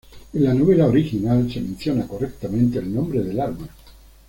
En la novela original se menciona correctamente el nombre del arma.